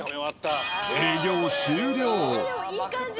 営業終了。